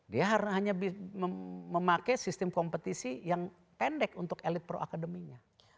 dia hanya memakai sistem kompetisi yang pendek untuk elit pro academy nya